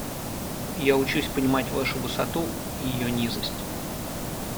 И я учусь понимать вашу высоту и ее низость.